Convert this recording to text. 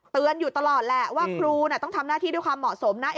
อยู่ตลอดแหละว่าครูต้องทำหน้าที่ด้วยความเหมาะสมนะ